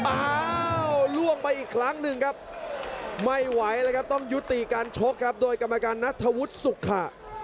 อ้าวล่วงไปอีกครั้งหนึ่งครับไม่ไหวแล้วครับต้องยุติการชกครับโดยกรรมการนัทธวุฒิสุขะ